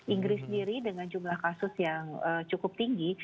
inggris sendiri dengan jumlah kasus yang cukup tinggi